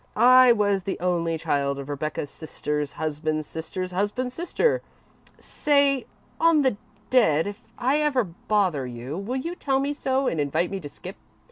I was the only child of Aunt Rebecca's sister's husband's sister's husband's sister. Say, on the dead, if I ever bother you will you tell me so and invite me to skip?"